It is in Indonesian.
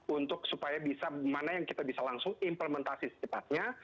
untuk supaya bisa mana yang kita bisa langsung implementasi secepatnya